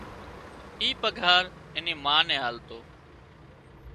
اي پگھار اين نِي مان نين آلتو